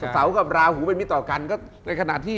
เสากับราหูเป็นมิตรต่อกัน